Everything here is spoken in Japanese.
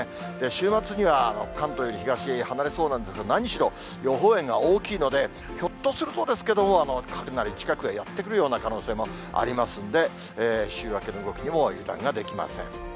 週末には関東より東へ離れそうなんですが、何しろ、予報円が大きいので、ひょっとするとですけれども、かなり近くへやって来るような可能性もありますんで、週明けの動きにも油断ができません。